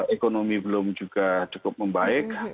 ekonomi belum juga cukup membaik